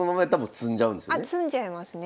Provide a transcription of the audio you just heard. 詰んじゃいますね。